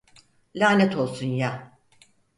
Lanet olsun ya.